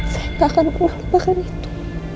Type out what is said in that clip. saya gak akan pernah lupakan itu